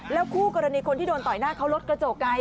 คู่กรณีคนที่โดนต่อยหน้าเขารถกระจกไกล